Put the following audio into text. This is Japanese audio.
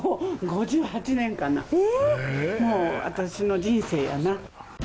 もう私の人生やな。